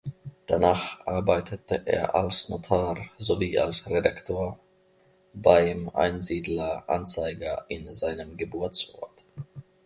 Danach arbeitete er als Notar sowie als Redaktor beim "Einsiedler Anzeiger" in seinem Geburtsort.